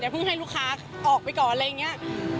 เพิ่งให้ลูกค้าออกไปก่อนอะไรอย่างนี้